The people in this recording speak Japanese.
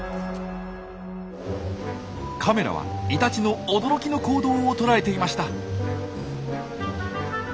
カメラはイタチの驚きの行動を捉えていました。